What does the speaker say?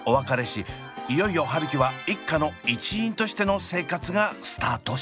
いよいよ春輝は一家の一員としての生活がスタートします。